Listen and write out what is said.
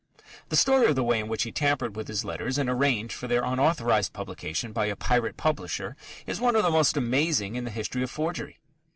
The story of the way in which he tampered with his letters and arranged for their "unauthorized" publication by a pirate publisher is one of the most amazing in the history of forgery.